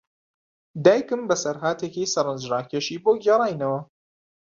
دایکم بەسەرهاتێکی سەرنجڕاکێشی بۆ گێڕاینەوە.